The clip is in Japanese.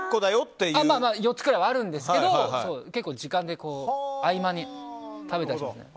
４つぐらいはあるんですけど結構、時間で合間に食べたりしますね。